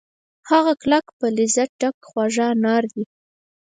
هغه کلک په لذت ډک خواږه انار دي